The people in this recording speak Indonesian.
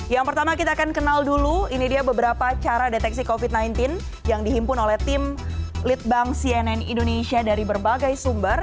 yang pertama kita akan kenal dulu ini dia beberapa cara deteksi covid sembilan belas yang dihimpun oleh tim litbang cnn indonesia dari berbagai sumber